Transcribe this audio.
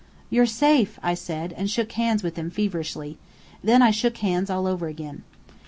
"You're safe!" I said, and shook hands with them feverishly. Then I shook hands all over again.